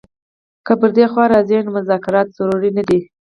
که پر دې خوا راځي نو مذاکرات ضرور نه دي.